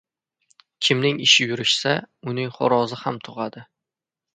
• Kimning ishi yurishsa, uning xo‘rozi ham tug‘adi.